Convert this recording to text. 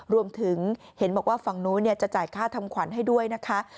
เห็นบอกว่าฝั่งนู้นจะจ่ายค่าทำขวัญให้ด้วยนะคะ